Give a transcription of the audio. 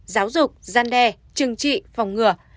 giáo dục gian đe chừng trị phòng ngừa